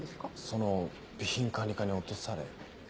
その備品管理課に落とされ。